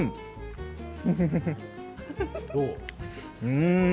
うん。